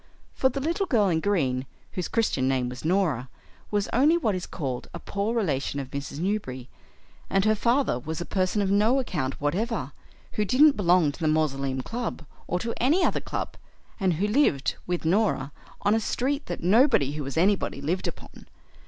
For the Little Girl in Green, whose Christian name was Norah, was only what is called a poor relation of Mrs. Newberry, and her father was a person of no account whatever, who didn't belong to the Mausoleum Club or to any other club, and who lived, with Norah, on a street that nobody who was anybody lived upon.